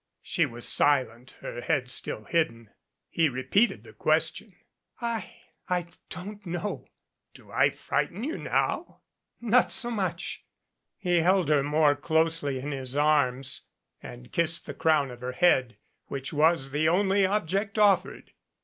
She was silent, her head still hidden. He repeated the question. "I I don't know." "Do I frighten you now?" "Not so much." He held her more closely in his arms, and kissed the crown of her head, which was the only object offered.